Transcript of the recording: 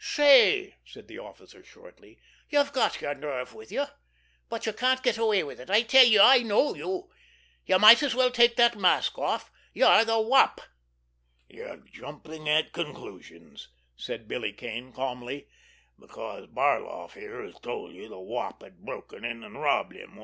"Say," said the officer shortly, "you've got your nerve with you! But you can't get away with it! I tell you, I know you! You might as well take that mask off. You're the Wop." "You're jumping at conclusions," said Billy Kane calmly, "because Barloff here has told you the Wop had broken in and robbed him.